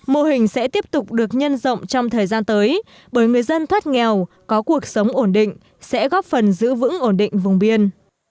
mô hình sẽ tiếp tục được nhân rộng trong thời gian tới bởi người dân thoát nghèo có cuộc sống ổn định sẽ góp phần giữ vững ổn định vùng biên